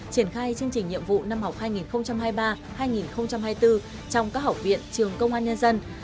triển khai chương trình nhiệm vụ năm học hai nghìn hai mươi ba hai nghìn hai mươi bốn trong các học viện trường công an nhân dân